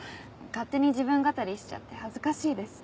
勝手に自分語りしちゃって恥ずかしいです。